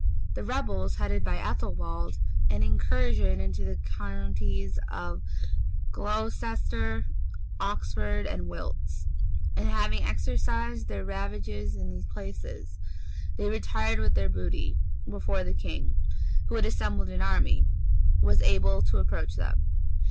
The rebels, headed by Ethelwald, made an incursion into the counties of Glocester, Oxford, and Wilts; and having exercised their ravages in these places, they retired with their booty, before the king, who had assembled an army, was able to approach them.